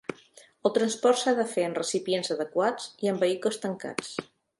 El transport s'ha de fer en recipients adequats i en vehicles tancats.